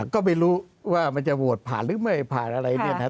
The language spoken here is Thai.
ก็ไม่รู้ว่ามันจะโหวตผ่านหรือไม่ผ่านอะไรเนี่ยนะครับ